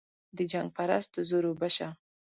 د جنګ پرستو زور اوبه شه.